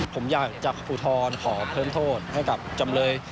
ผมอยากจะขอเพิ่มโทษให้กับจำเลย